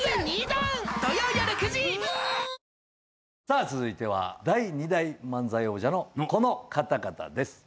ＪＴさあ続いては第二代漫才王者のこの方々です。